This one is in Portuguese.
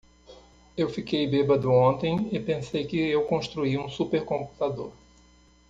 Eu fiquei bêbado ontem e pensei que eu construí um super computador.